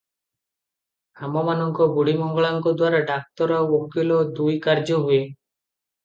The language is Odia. ଆମମାନଙ୍କ ବୁଢ଼ୀମଙ୍ଗଳାଙ୍କ ଦ୍ୱାରା ଡାକ୍ତର ଆଉ ଓକିଲ ଦୁଇ କାର୍ଯ୍ୟ ହୁଏ ।